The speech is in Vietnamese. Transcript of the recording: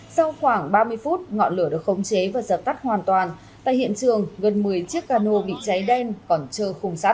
sau khoảng ba mươi phút ngọn lửa được khống chế và sập tắt hoàn toàn tại hiện trường gần một mươi chiếc cano bị cháy đen còn chơ không sắt